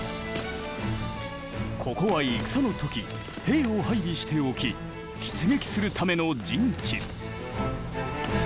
ここは戦の時兵を配備しておき出撃するための陣地。